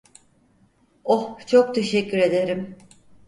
Oh, çok teşekkür ederim.